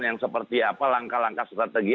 yang seperti apa langkah langkah strategi